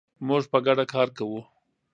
موږ په ګډه کار کوو.